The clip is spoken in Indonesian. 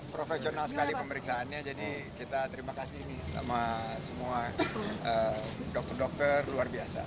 profesional sekali pemeriksaannya jadi kita terima kasih ini sama semua dokter dokter luar biasa